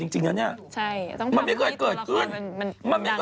วันเกิดจะเห็นวันเกิดหรือยัง